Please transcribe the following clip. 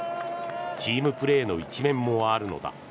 チームプレーの一面もあるのだ。